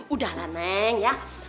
udah lah neng ya